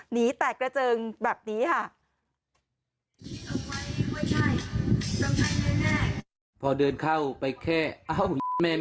หนีแตกกระเจิงแบบนี้ค่ะ